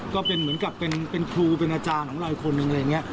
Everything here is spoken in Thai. ก็เป็นเหมือนกับเป็นครูเป็นอาจารย์ของเราอีกคนนึงอะไรอย่างนี้